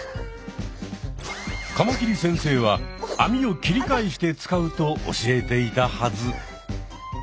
カマキリ先生はあみを切り返して使うと教えていたはず。